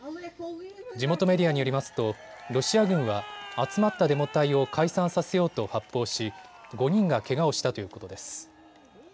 地元メディアによりますとロシア軍は集まったデモ隊を解散させようと発砲し５人がけがをしたということです。